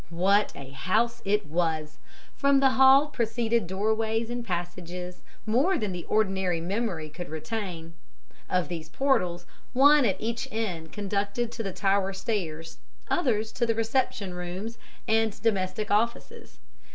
"What a house it was! From the hall proceeded doorways and passages, more than the ordinary memory could retain. Of these portals, one at each end conducted to the tower stairs, others, to the reception rooms and domestic offices.